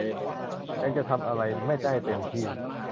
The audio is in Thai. ยังจะทำอะไรไม่ได้เต็มที่